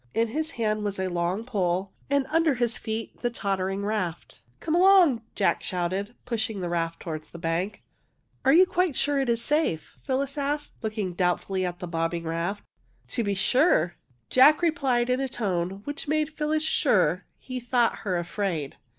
In his hand was a long pole, and under his feet the tottering raft. " Come along! '' Jack shouted, pushing the raft toward the bank. '' Are you quite sure it is safe? " Phyllis asked, looking doubtfully at the bobbing raft. ^^ To be sure! " Jack replied, in a tone which made Phyllis sure he thought her afraid.